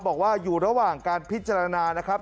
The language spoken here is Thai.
บอกว่าอยู่ระหว่างการพิจารณานะครับ